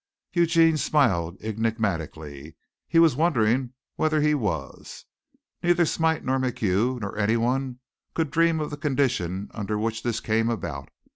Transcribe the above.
Eugene smiled enigmatically. He was wondering whether he was. Neither Smite nor MacHugh nor anyone could dream of the conditions under which this came about.